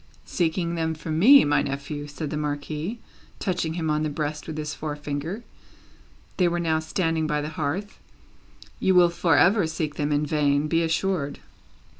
"Seeking them from me, my nephew," said the Marquis, touching him on the breast with his forefinger they were now standing by the hearth "you will for ever seek them in vain, be assured."